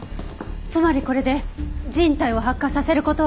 つまりこれで人体を発火させる事は不可能。